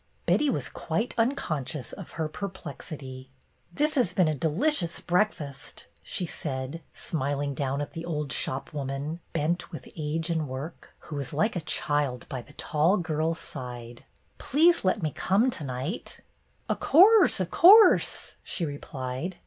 Betty was quite unconscious of her perplexity. "This has been a delicious breakfast," she said, smiling down at the old shopwoman, bent with age and work, who was like a child by the tall girl's side. "Please let me come to night." "O' course, o' course," she replied.